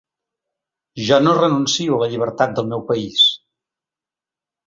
Jo no renuncio a la llibertat del meu país!